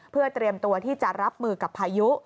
เพื่อเตรียมตัวที่จะรับมือกับพายุ